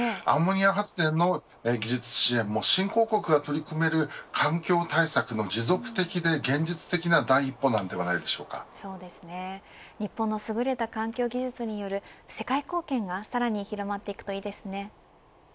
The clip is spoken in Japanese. アンモニア発電の技術支援も新興国が取り組める環境対策の、持続的で現実的な第一歩なのでは日本のすぐれた環境技術による世界貢献がさらに広まっていくといいですね。